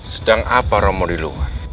sedang apa romo di luar